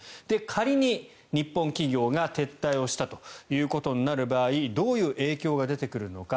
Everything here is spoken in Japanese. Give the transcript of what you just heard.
仮に日本企業が撤退したということになる場合どういう影響が出てくるのか。